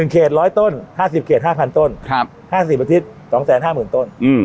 เขต๑๐๐ต้น๕๐เขต๕๐๐ต้น๕๐อาทิตย์๒๕๐๐๐ต้น